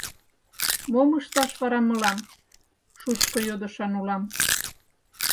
«Мом ышташ вара мылам?» — Шучко йодышан улам.